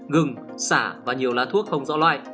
gừng xả và nhiều lá thuốc không rõ loại